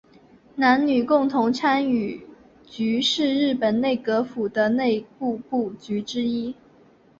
男女共同参与局是日本内阁府的内部部局之一。